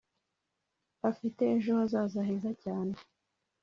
afite ejo hazaza heza cyane